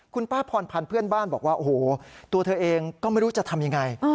คุณป้าพรพันธ์เพื่อนบ้านบอกว่าโอ้โหตัวเธอเองก็ไม่รู้จะทำยังไง